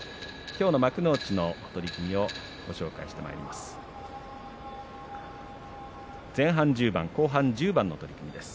きょうの幕内の取組をご紹介してまいります。